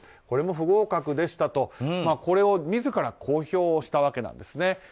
これも不合格でしたとこれを自ら公表したわけなんです。